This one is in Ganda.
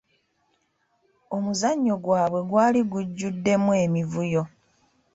Omuzannyo gwabwe gwali gujjuddemu emivuyo.